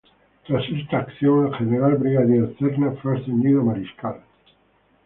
Tras esta acción, el general brigadier Cerna fue ascendido a Mariscal.